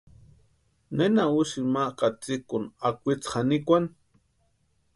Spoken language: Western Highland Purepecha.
¿Nena úsïni ma katsïkuni akwitsï janikwani?